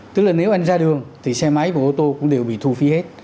tức là nếu anh ra đường thì xe máy và ô tô cũng đều bị thu phí hết